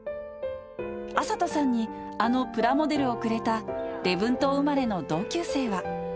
暁里さんにあのプラモデルをくれた礼文島生まれの同級生は。